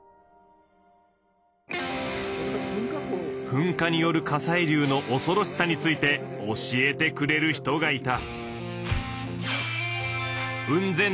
噴火による火砕流のおそろしさについて教えてくれる人がいた。